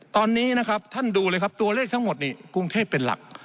ตอนนี้นะครับท่านดูเลยครับตัวเลขทั้งหมดนี่กรุงเทพเป็นหลัก